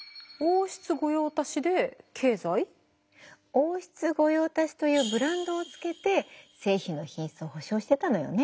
王室御用達というブランドをつけて製品の品質を保証してたのよね。